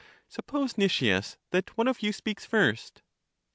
Suppose, Nicias, that one of you speaks first.